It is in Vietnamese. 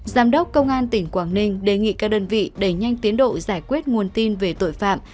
giám đốc công an tỉnh quảng ninh đề nghị các đơn vị đẩy nhanh tiến độ giải quyết nguồn tin về tội phạm